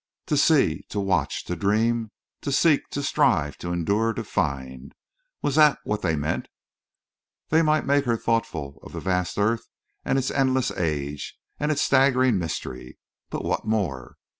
To see, to watch, to dream, to seek, to strive, to endure, to find! Was that what they meant? They might make her thoughtful of the vast earth, and its endless age, and its staggering mystery. But what more!